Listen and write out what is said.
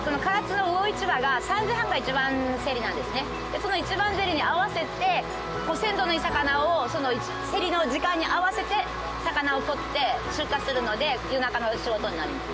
その一番競りに合わせて鮮度のいい魚をその競りの時間に合わせて魚をとって出荷するので夜中の仕事になります。